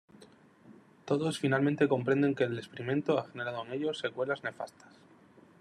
Todos finalmente comprenden que el experimento ha generado en ellos secuelas nefastas.